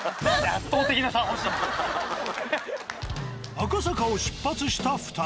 赤坂を出発した２人。